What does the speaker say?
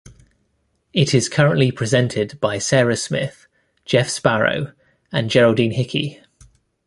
It is currently presented by Sarah Smith, Jeff Sparrow and Geraldine Hickey.